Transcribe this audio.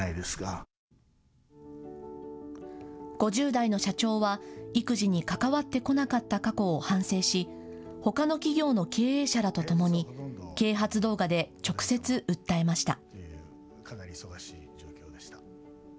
５０代の社長は育児に関わってこなかった過去を反省しほかの企業の経営者らとともに啓発動画で直接、訴えました。